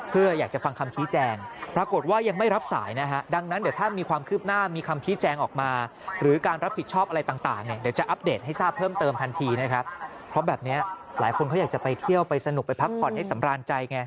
เพราะแบบนี้หลายคนเขาอยากจะไปเที่ยวไปสนุกไปพักผ่อนให้สำราญใจไง